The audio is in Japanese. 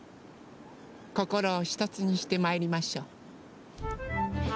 こころをひとつにしてまいりましょう。